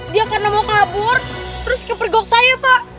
dia karena mau kabur terus kepergok saya pak